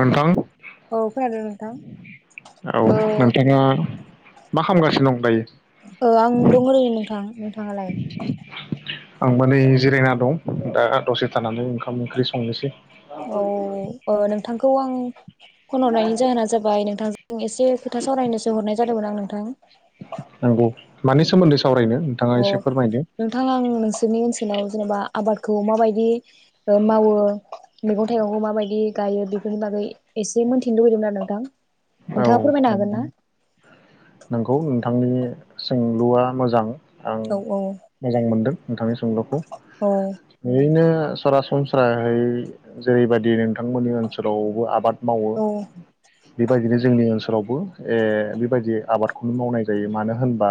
नोंथां। औ खोनादो नोंथां, औ। मा खामगासिनो दं दायो? ओ आं दं ओरैनो नोंथां नोंथाङालाय? आंबो नै जिरायना दं दा दसे थानानै ओंखाम ओंख्रै संनोसै। औ ओ नोंथां खौ आं खल हरनायनि जाहोना जाबाय नोंथांजों एसे खोथा सावरायनोसो हरनाय जादोंमोन आं। नंगौ मानि सोमोन्दै सो सावरायनो नोंथाङा एसे फोरमायदो लाव जेनबा आबादखौ माबायदि ओ मावो, मैगं थाइगंखौ माबायदि गायो बे बेनि बागै एसे मोनथिनो लुुबैदोंमोन आरो नोंथां। औ नोंथाङा फोरमायनो हागोन ना नंगौ नोंथां। नोंथांनि सोंलुआ मोजां आं औ औ मोजां मोनदों नोंथांनि सुंलुखौ औ ओरैनो। सरासनस्रायै जेरैबायदि नोंथांमोननि ओनसोलावबो आबाद। मावो। औ बेबायदिनो जोंनि ओनसोलावबो ऐ बेबायदि आबादखौनो मावनाय जायो मानो होनबा।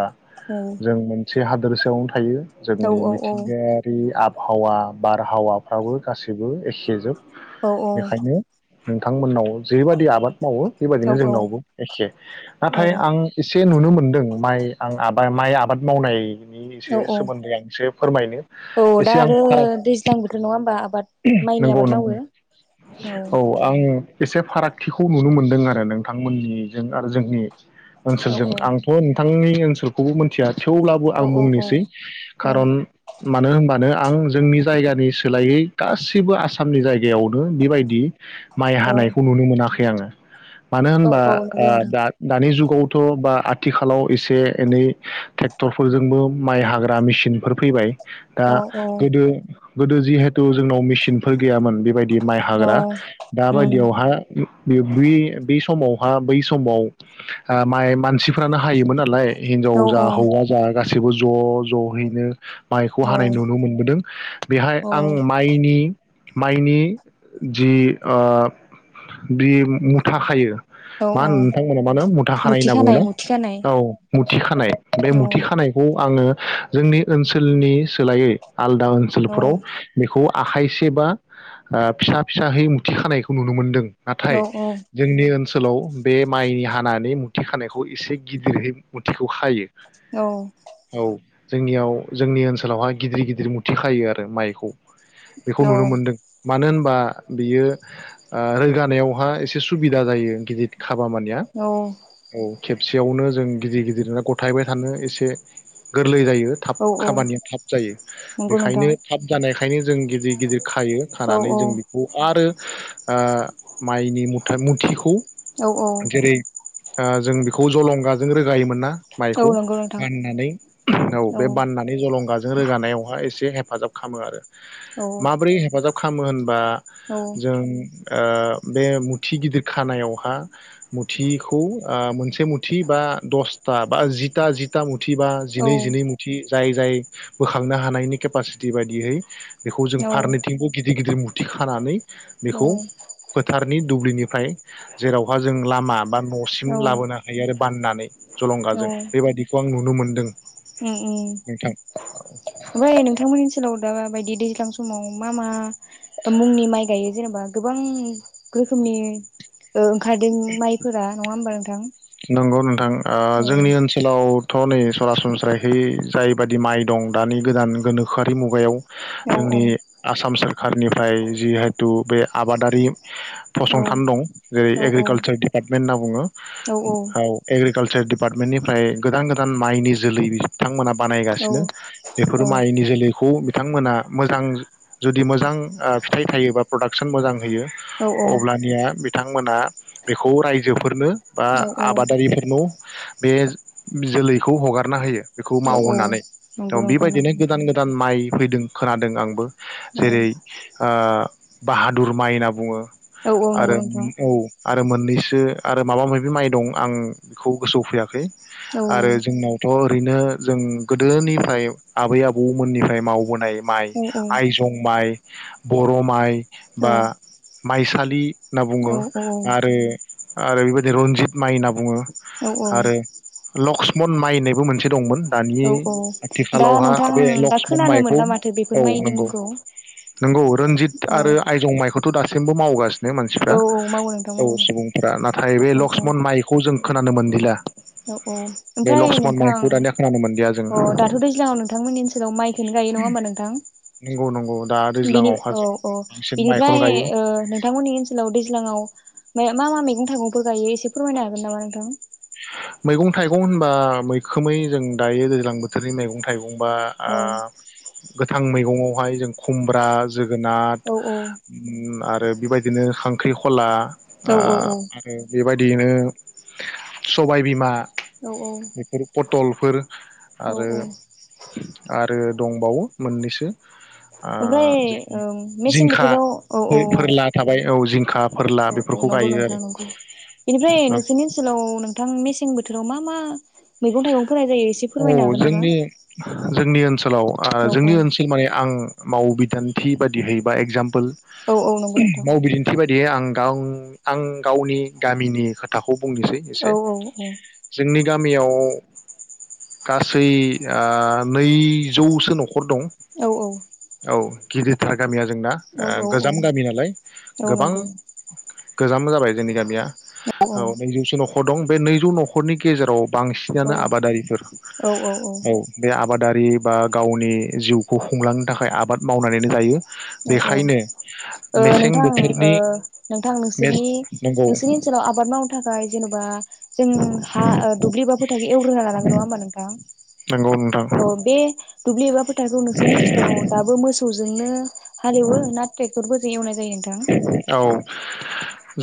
जों मोन। से हादोरसायावनो थायो। औ जोंनि औ औ मिथिंगायारि आबाद। हावा बारहावाफ्राबो गासैबो एखे जोब। औ औ। नोंथांमोननाव जेरैबायदि आबाद मावो। औ बेबायदिनो जोंनावबो एखे औ नाथाय आं एसे। नुनो मोनदों माइ आं आबाद माइ आबाद मावनाय। नि एसे औ औ सोमोन्दै आं एसे फोरमायनो औ दा एसे आं आरो फाराग। दैज्लां बोथोर नङा होमबा आबाद माइनि नंगौ आबाद मावो नंगौ औ औ आं। एसे फारागथिखौ नुनो मोनदों आरो नोंथांमोननिजों आरो जोंनि औ ओनसोलजों औ आंथ नोंथांनि ओनसोलखौबो मोन मिथिया थेवब्लाबो आं औ औ बुंनोसै औ खारन मानो होनबानो आं जोंनि जायगानि सोलायै। गासिबो आसामनि जायगायावनो बेबायदि माइ औ हानायखौ नुनो मोनाखै आङो मानो औ होनबा औ नंगौ ओ नोंथां दा दानि जुग खौथ' बा आथिखालाव एसे एनै ट्रेक्टरफोरजोंबो माइ हाग्रा मेसिनफोर फैबाय दा औ औ गोदो गोदो जिहे थु जोंनाव मेसिनफोर गैयामोन बेबायदि माइ औ हाग्रा दा उम बादियावहा बि बे समावहा बै समाव ओ माइ मानसिफ्रानो हायोमोन नालाय औ हिनजाव जा हौवा जा गा गासिबो ज' ज'हैनो माइखौ औ हानाय नुनो मोनबोदों बेहाय आङो माइनि माइनि जि ओ बि मुथा खायो औ मा औ होनो नोंथांमोना मानो मुथा खानाय मुथि होनना बुङो ना मुथि खानाय औ मुथि खानाय बे औ मुथि खानायखौ आङो जोंनि ओनसोलनि सोलायै आलदा औ ओनसोलफोराव खौ आखाइसे बा ओ फिसा फिसाहै मुथि खानायखौ नुनो मोनदों। औ नाथाय औ जोंनि ओन सोलाव बे माइ हानानै मुथि खानायखौ एसे गिदिरहै मुथिखौ खायो। औ औ जोंनियाव जोंनि ओनसोलावहाय गिदिर गिदिर मुथि खायो आरो माइखौ। बेखौ औ नुनो मोनदों मानो होन बा बियो ओ रोगा नायावहा एसे सुबिदा जायो गिदिर खाबा मानिया औ खेबसेयावनो जों गिदिर गिदिरनो गथायबाय थानो एसे गोरलै जायो। थाब औ औ खामानिया थाब जायो नंगौ नोंथां बेखायनो थाब जानाय ओंखायनो जों गिदिर गिदिर खायो औ खानानै औ जों बेखौ आरो ओ माइनि मुथा मुथिखौ औ औ जेरै ओ जों बेखौ जलंगाजों रोगायोमोन ना औ माइखौ नंगौ नोंथां बाननानै औ बे बाननानै जलंगाजों रोगानायावहाय एसे एसे हेफाजाब खालामो आरो औ माबोरै हेफाजाब खामो होनबा जों ओ बे मुथि गिदिर खानायावहा मुथिखौ ओ मोनसे मुथि बा दसथा बा जिथा जिथा मुथि मुथि बा जिनै जिनै मुथि जाय जाय बोखांनो हानायनि केपासिटि बायदियै बेखौ जों औ फारनैथिंबो गिदिर गिदिर मु थिखानानै बेखौ फोथार नि दुब्लिनिफ्राय जेरावहा जों लामा बा नसिम औ लाबोनो हायो आरो बाननानै औ जलंगाजों बेबायदिखौ आं नुनो मोनदों दों उम उम ओमफ्राय नोंथांमोननि ओन्सोलाव ओ बायदि दैज्लां समाव मा मा मुंनि माइ गायो जेनेबा गोबां रोखोमनि ओ ओंखारदों माइफोरा नंङा होमबा नोंथां? नंगौ नोंथां जोंनि औ ओनसोलाव थ' नै सरासनस्राहै जायबादि माइ दं दानि गोदान गोनोखोआरि मुगायाव औ जोंनि आसाम सोर कारनिफ्राय जिहेथु बे आबादारि औ फसंथान दं जेरै औ एग्रिकालसार दिपार्टमेन्ट होनना बुङो औ एग्रिकालचार डि पार्टमेन्टनिफ्राय गोदान गोदान माइनि जोलै बिथांमोना बानायगासिनो बेफोरो माइनि जोलैखौ बिथांमोना मोजां जुदि मोजां ओ फिथाइ थायो बा प्रडाक्सन मोजां होयो अब्लानिया बिथांमोना बेखौ रायजोफोरनो बा औ आबादारिफोरनो बे जोलैखौ हगारना होयो। बेखौ औ औ मावहोननानै थ नंगौ नोंथां बेबायदिनो नंगौ गोदान गोदान माइ फैदों खोनादों आंबो। जेरै ओ बाहादुर माइ होनना बुंङो। औ औ आरो नंगौ नोंथां औ मोननैसो आरो माबा माबि माइ दं आं बेखौ गोसोआव फैयाखै। औ आरो जोंनावथ ओरैनो जों गोदोनिफ्राय आबै आबौमोननिफ्राय मावबोनाय माइ औ औ आइ जं माइ। बर माइ बा माइसालि होनना बुङो आरो आरो बेबाय रनजित माइ होनना बुंङो। औ आरो लक्स मन माइ होननायबो मोनसे दंमोन। औ दानि औ दा आथिखालावहा नोंथां बे दा लक्ष्मन खोनानो माइखौ मोनला माथो बेफोर औ माइनि नंगौ मुंखौ नंगौ रन्जित औ आरो आइजं माइखौ थ दासिमबो मावगासिनो। माने मानसिफ्रा औ औ मावो नोंथां औ मावो सुबुंफ्रा नाथाय बे औ लक्ष्मन माइखौ जों जों खोनानो मोनदिला। औ औ बे ओमफ्राय लक्ष्मन नोंथां माइखौ दानिया खोनानो मोनदिया जों औ दाथ दैज्लांआव नोंथांमोननि ओनसोलाव माइखौनो गायो नङा होमबा नोंथां? नंगौ नंगौ दा बिनि दैज्लाङावहा औ जों औ बांसिन माइखौनो बिनिफ्राय गायो ओ नोंथांमोननि ओनसोलाव दैज्लाङाव मा मा मै गं थाइंफोर गायो एसे फोरमायनो हागोन नामा नोंथां? मैगं थाइगं होनबा मैखोमै जों दायो दैज्लां बोथोरनि मैगं थाइगं बुंबा आ औ गोथां मैगङावहाय जों खुमब्रा जोगोनथ औ औ आरो बेबायदिनो खांख्रिखला। औ आ औ बेनो बेबायदियैनो सबाय बिमा। औ औ बेफोर पटलफोर औ आरो औ आरो दंबावो मोननैसो ओमफ्राय ओ जेरै ओम मेसें जिंखा बोथोराव औ औ औ फोरला थाबाय औ जिंखा फोरला औ औ बेफोरखौ नंगौ गायो नोंथां आरो नंगौ बेनिफ्राय नोंसोरनि नंगौ ओनसोलाव नोंथां मेस सें बोथोराव मा मा मैगं थाइगं फोनाय जायो एसे फोरमायनो औ हागोन नामा? जोंनि जोंनि ओनसोल लाव ओ औ औ जोंनि ओनसोल माय आं मावबिदान्थि बादिहै बा एगजामपोल औ औ नंगौ नोंथां। दि आं गाव आं गावनि गामिनि खोथाखौ बुंनोसै औ एसे। जोंनि गामियाव गासै ओ नैजौसो नखर दं। औ औ औ गिदिरथार गामिया जोंना ओ औ औ गोजाम गामि नालाय। औ गोबां नंगौ गोजाम जाबाय जोंनि गामिया। औ नैजौसो न खर दं बे नैजौ नखरनि गेजेराव औ बांसिनानो आबादारिफोर। औ बे आ आबादारि बा गावनि जिउखौ खुंलां थाखाय आबाद मावनानैनो जायो। औ बेखायनो औ मेसें नोंथां बोथोरनि नोंथां मेस नोंसोरनि नंगौ नोंसोरनि ओनसोलाव आबाद मावनो थाखाय जेनबा जों हा ओ दुब्लिबाबो नि थाखाय एवग्रोना लानांगोन नङा होमबा नोंथां? नंगौ नोंथां। औ बे दुब्लि एबा फोथ [unintelligible] नोंसोरनि ओनसोलाव दाबो मोसौ जोंनो हालिवो ना ट्रेक्टर बो एवनाइ औ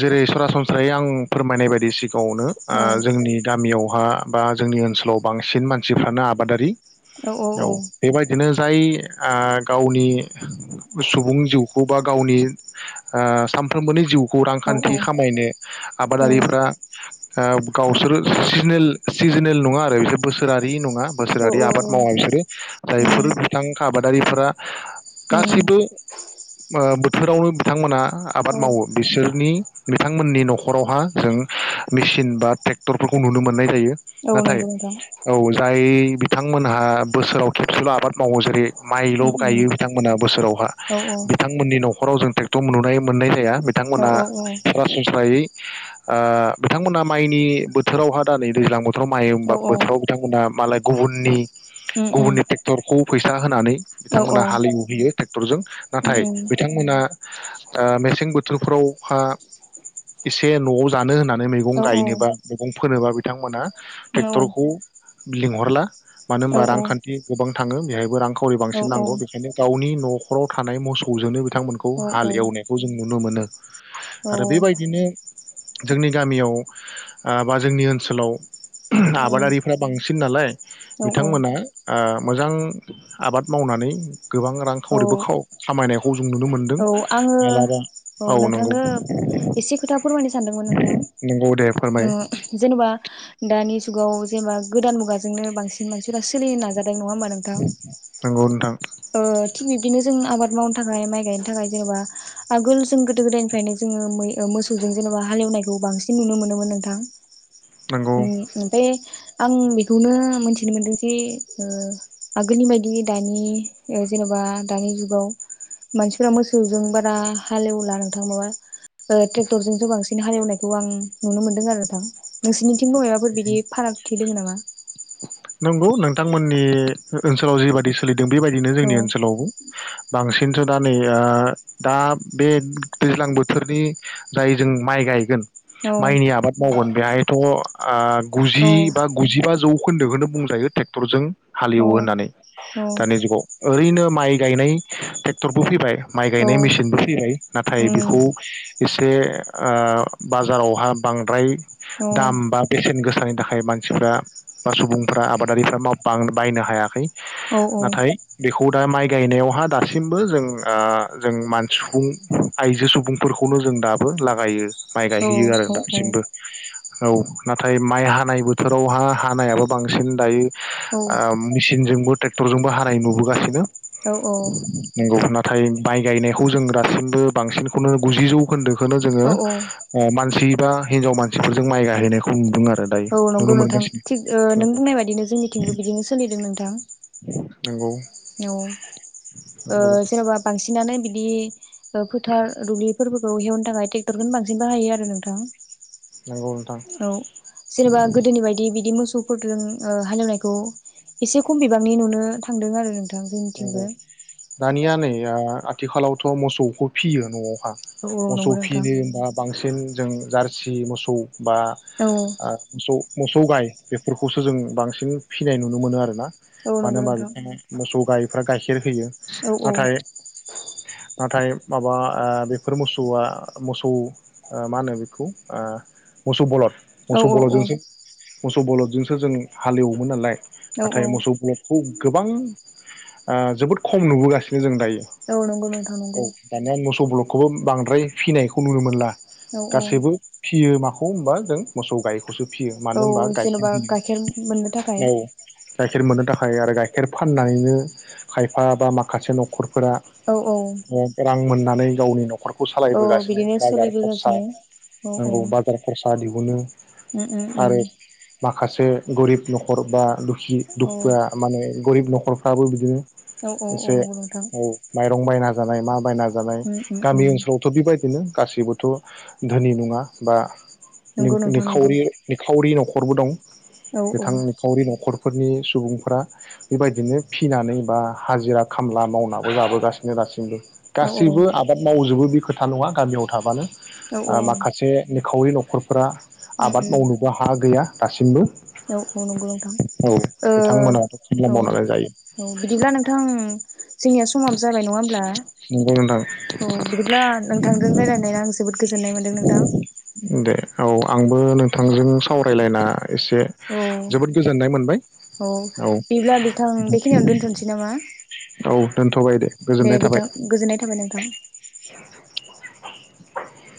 जेरै सरासनस्रायै आं फोरमायनाय बायदि सिग न'आवनो औ ओ जोंनि गामियाव हा बा जोंनि ओनसोलाव बांसिन मानसिफ्रानो आबादारि। औ बेबायदिनो। जाय ओ गावनि सुबुं जिउखौ बा गावनि‌। ओ सानफ्रोमबोनि जिउ। खौ औ रांखान्थि खामायनो आबादारिफ्रा। अ गावसोरो सिजोनेल नङा आरो बिसोर बोसोरारि नङा। औ बोसोरारि औ आबाद औ मावा बिसोरो जायफोर उम बिथां आबाद। आबादारिफोरा। उम गासिबो। अ बोथोरावनो। बिथांमोनहा औ आबाद मावो बिसोरनि बिथांमोननि नखरावहा जों मेसिन बा ट्रेक्टरफोरखौ नुनो मोननाय जायो। औ नाथाय नंगौ नोंथां औ जाय। बिथांमोनहा बोसोराव खेबसेल आबाद मावो जेरै। माइल उम उम गायो बिथांमोनहा बोसोरावहा औ औ बिथांमोननि न। हराव जों। थ नुनाय मोननाय जाया। औ बिथांमोना औ सरासनस्रायै। ओ बिथांमोना माइनि बोथोरावहा दा नै दैज्लां बोथोर। ओ मा औ होमबा औ बोथोराव बिथांमोना मालाय। गुबुननि। उम उम गुबुननि तेक्टरखौ। फैसा होनानै। औ औ बिथांमोना हालेवहैयो ट्रेक्टरजों उम नाथाय उम बिथांमोना ओ मेसें बोथोरफोराव अखा एसे नआव जानो होनना मैगं औ औ गायनोबा मैगं फोनोबा बिथांमोना औ टेक्टरखौ लिंहरला। मानो औ होनबा रांखान्थि गोबां थाङो बेहायबो रांखौ। सावरि औ बांसिन नांगौ उम बेखायनो गावनि न। हराव थानाय मोसौजोंनो बिथांमोन खौ औ हाल एवनायखौ जों नुनो मोनो। आरो बेबायदिनो जोंनि गामियाव ओ बा जोंनि ओनसोलाव आबादारिफ्रा बांसिन नालाय औ बिथांमोना ओ मोजां आबाद मावनानै गोबां रां औ खावरिबो खाव खामायनायखौ जों नुनो मोनदो औ आङो औ नोंथांनो एसे खोथा फोरमायनो सानदोंमोन नोंथां नंगौ दे फोरमाय ओ जेनेबा दानि जुग जुगाव जेब्ला गोदान मुगाजोंनो बांसिन मानसिफोरा सोलिनो नाजादो नङा होमबा नोंथां नंगौ नोंथां ओ थिग बिब्दिनो जोंङो आबाद मावनो थाखाय माइ गायनो थाखाय जेनेबा आगोल जों गोदो गोदायनिफ्रायनो जोङो मै मोसौजों जेनेबा हालेवनायखौ बांसिन नुनो मोनोमोन नोंथां। नंगौ उम उम बे आं बिखौनो मिथिनो मोनदों जि ओ आगोलनि बायदि दानि जेनबा दानि जुगाव मानसिफोरा मोसौजों बारा हालेवला नोंथां माबा ओ ट्रेक्टरजोंसो बांसिन हालेवनायखौ आं नुनो मोनदों आरो नोंथां नोंसोरनि थिं [unintelligible] बिदि फारागथि दोङो नामा? नंगौ नोंथांमोननि ओनसोलाव जिबायादि सोलि बेबायदिनो औ जोंनि ओनसोलावबो बांसिन खिन्थु दा नै दा बे दैज्लां बोथोरनि जाय जों माइ गायगोन औ माइनि आबाद मावगोन बेहायथ आ गुजि बा गुजिबा जौ [unintelligible] बुंजायो ट्रेक्टरजों औ हालेवो होननानै औ दानि जुगाव ओरैनो माइ गायनाय ट्रेक्टरबो फैबाय माइ औ गायनाय मेसिनबो फैबाय नाथाय उम बिखौ एसे ओ बाजारावहा बांद्राय औ दाम बा बेसेन गोस नि थाखाय मानसिफ्रा बा सुबुं फोरा आबादारिफ्रा मा बां बायनो हायाखै औ नाथाय बे खौ दा माइ गायनायावहा दासिमबो जों जों मान सुबुं आइजो सुबुंफोरखौनो जों दाबो लागायो माइ गाय औ हैयो आरो दासिमबो औ नाथाय माइ हानाय बोथोरावहा हानायाबो बांसिन दायो आ मेसिनजोंबो ट्रेक्टरजोंबो हानाय नुबोगासिनो औ औ नंगौ नाथाय माइ गायनायखौ जों दासिमबो बांसिनखौनो गुजिजौखोन्दो खोनो जोङो औ मानसि दा हिनजाव मानसिफोरजों माइ गायहैनायखौ नुदों आरो दायो औ नुनो नंगौ नोंथां मोनगासिनो थिग ओ नंगौ नों बुंनाय बादिनो जोंनिथिंबो बिदिनो सोलिदों नोंथां नंगौ औ नंगौ जेनबा बांसिनानो बिद बिदि फोथार दुब्लिफोरखौ हेवनो थाखाय ट्रेक्टरखौनो बांसिन बाहायो आरो नोंथां नंगौ नोंथां औ जेनेबा गोदोनि बायदि बिदि मोस सौफोरजों हालेवनायखौ एसे खम बिबांनि नुनो थांदों आरो नोंथां नंगौ जोंनिथिंबो दानिया नै आथिखालावथ मोसौखौ फिसियो नआव औ औ नंगौ मोसौ नोंथां फिनो होनबा बांसिन जों जारसि मोसौ बा औ मोसौ मोसौ गाय बेफोरखौसो जों बांसिन फिसिनाय नुनो मोनो आरोना औ मानो नंगौ होनोबा नोंथां नोंथाङा मोसौ गायफ्रा गाइखेर होयो औ औ नाथाय नाथाय माबा आ बेफोर मोसौआ मोसौ आ मा होनो बेखौ आ मोसौ बलद औ मोसौ बलदजोंसो मोसौ बलदजोंसो जों हालेवोमोन नालाय औ नाथाय मोसौ औ बलदखौ गोबां ओ जोबोद खम नुबोगासिनो जों दायो औ नंगौ नोंथां औ नंगौ दानिया मोसौ बलद खौबो बांद्राय फिनायखौ नुनो मोनला औ औ गासैबो फियो माखौ औ मा होनदों मोसौ गायखौसो फियो मानो औ होनबा गाइखेर जेनबा होयो गाइखेर मोननो थाखाय औ गाइखेर मोननो थाखाय आरो गाइखेर फा फाननानैनो खायफा बा माखासे नखर फोरा औ औ रां मोन्ना नै गावनि न' खर खौ औ सालायबोगासिनो बिदिनो बाजार खरसा सोलिबोगासिनो औ औ नोंगौ बाजार खरसा दिहुनो उम उम उम आरो मा खायसे गरिब नखर बा दु जि औ दुखुआ माने गरिब नखरफ्राबो बिदिनो औ औ औ एसे नंगौ नोंथां औ माइरं बायना जानाय मा बायना जानाय उम उम उम गामि ओनसोलावथ बेबायदिनो गासिबोथ धोनि नंङा बा नंगौ नोंथां नंगौ नि-निखावरि निखावरि नख खरबो दं। औ औ बिथां निखावरि नखर फोरनि सुबुंफ्रा बेबायदिनो फिनानै बा हाजिरा खामला मावनाबो जाबोगासिनो दासिमबो औ औ गासैबो आबाद मावजोबो बेख खोथा नंङा गामियाव थाबानो औ आ माखासे निखावरि न' खर फ्रा उम आबाद उम मावनोबो हा गैया। दासिमबो औ औ नंगौ नोंथां औ ओ बिथांमोनाथ' खामला औ मावनानै जायो औ बिदिब्ला नोंथां जोंनिया समाबो जाबाय नंङा होमब्ला नंगौ नोंथां औ बिदिब्ला नोंथांजों रायज्लायनाया आं जोबोद गोजोन्नाय मोन्दों नोंथां दे औ आंबो नोंथांजों सावरायलायना एसे औ जोबोद गोजोननाय मोनबाय औ बिदिब्ला बिथां बेखिनियावनो दोनथ'नोसै नामा औ दोनथबाय दे गोजोननाय थाबाय। बिथां गोजोननाय थाबाय नोंथां [inaudible]